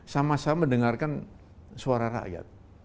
sama sama mendengarkan suara rakyat